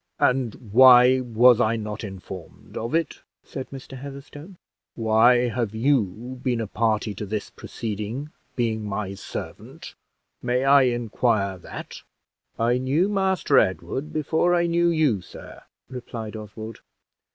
"And why was I not informed of it?" said Mr. Heatherstone; "why have you been a party to this proceeding, being my servant? may I inquire that?" "I knew Master Edward before I knew you, sir," replied Oswald.